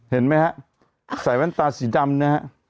เห็นไหมครับใส่แว่นตาสีดำอ่า